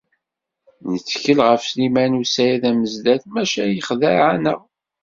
Nettkel ɣef Sliman u Saɛid Amezdat, maca yexdeɛ-aneɣ.